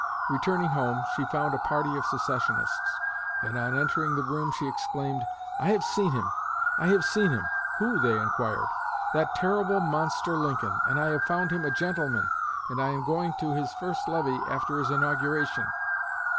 Returning home, she found a party of Secessionists, and on entering the room she exclaimed, 'I have seen him! I have seen him!' 'Who?' they inquired. 'That terrible monster, Lincoln, and I found him a gentleman, and I am going to his first levee after his inauguration.'